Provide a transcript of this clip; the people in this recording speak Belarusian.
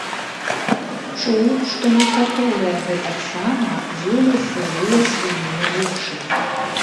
Чуў, што некаторыя гэтак сама елі сырыя свіныя вушы.